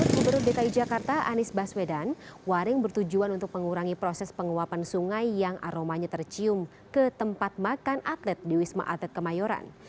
menurut dki jakarta anies baswedan waring bertujuan untuk mengurangi proses penguapan sungai yang aromanya tercium ke tempat makan atlet di wisma atlet kemayoran